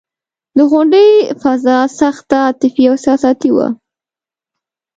د غونډې فضا سخته عاطفي او احساساتي وه.